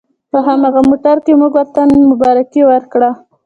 په هماغه موټر کې مو ورته مبارکي ورکړه.